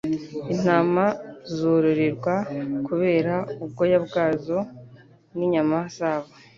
Intama zororerwa kubera ubwoya bwazo ninyama zabo